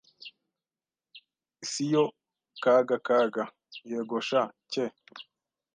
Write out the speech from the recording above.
Si yo Kaga Kaga: Yego sha Ke